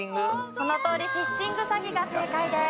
そのとおりフィッシング詐欺が正解です。